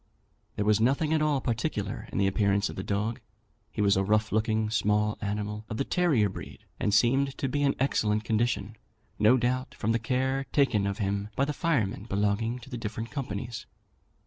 There was nothing at all particular in the appearance of the dog; he was a rough looking small animal, of the terrier breed, and seemed to be in excellent condition, no doubt from the care taken of him by the firemen belonging to the different companies.